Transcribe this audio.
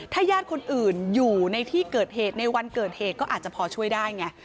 ถ้าญาติคนอื่นอยู่ในที่เกิดเหตุในวันเกิดเหตุก็อาจจะพอช่วยได้ไง